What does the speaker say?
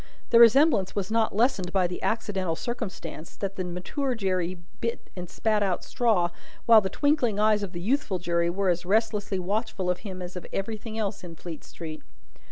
The resemblance was not lessened by the accidental circumstance, that the mature Jerry bit and spat out straw, while the twinkling eyes of the youthful Jerry were as restlessly watchful of him as of everything else in Fleet street.